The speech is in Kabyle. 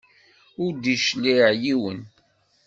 Ur d-yecliɛ yiwen.